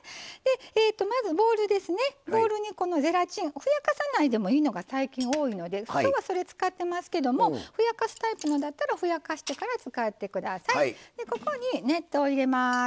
まずボウルにゼラチンふやかさなくてもいいので最近多いので今日はそれを使ってますけどもふやかすやつだったらふやかしてから使ってください。